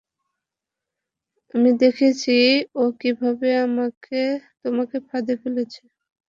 আমি দেখেছি ও কীভাবে তোমাকে ফাঁদে ফেলেছে।